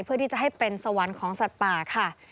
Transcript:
เพื่อที่จะให้เป็นสวรรค์ของสัตว์ป่าค่ะ